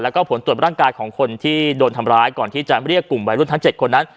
แล้วก็ผลตรวจร่างกายของคนที่โดนทำร้ายก่อนที่จะเรียกกลุ่มวัยรุ่นทั้ง๗คนนั้น